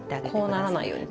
こうならないように。